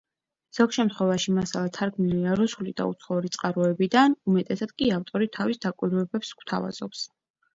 ზოგ შემთხვევაში მასალა თარგმნილია რუსული და უცხოური წყაროებიდან, უმეტესად კი ავტორი თავის დაკვირვებებს გვთავაზობს.